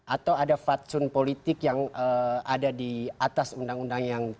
atau ada fatsun politik yang ada di atas undang undang yang